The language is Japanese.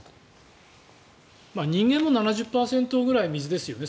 人間も７０％くらい水ですよね。